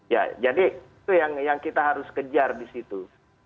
ya jadi itu yang kita harus kejar disitu